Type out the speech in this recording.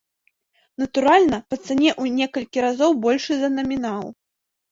Натуральна, па цане ў некалькі разоў большай за намінал.